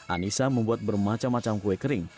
anissa membuat bermacam macam kue kering